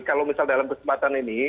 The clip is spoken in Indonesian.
kalau misal dalam kesempatan ini